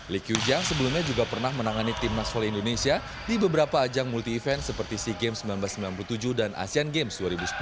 liquiang sebelumnya juga pernah menangani tim nasional indonesia di beberapa ajang multi event seperti sea games seribu sembilan ratus sembilan puluh tujuh dan asean games dua ribu sepuluh